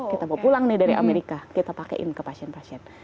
kita bawa pulang nih dari amerika kita pakaiin ke pasien pasien